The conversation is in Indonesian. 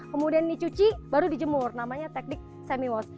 kemudian dicuci baru dijemur namanya teknik semi wash